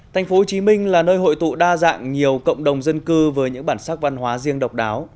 thành phố hồ chí minh là nơi hội tụ đa dạng nhiều cộng đồng dân cư với những bản sắc văn hóa riêng độc đáo